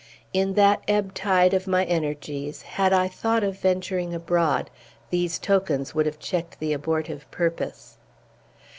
In that ebb tide of my energies, had I thought of venturing abroad, these tokens would have checked the abortive purpose.